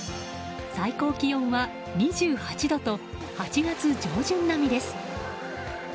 最高気温は２８度と８月上旬並みです。